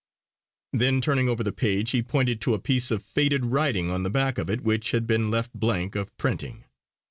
Then turning over the page he pointed to a piece of faded writing on the back of it which had been left blank of printing.